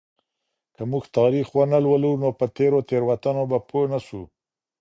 که موږ تاریخ ونه لولو نو په تېرو تېروتنو به پوه نسو.